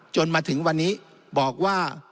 จนมาถึงวันนี้บอกว่า